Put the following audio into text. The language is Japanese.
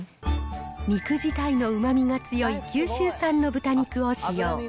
肉自体のうまみが強い九州産の豚肉を使用。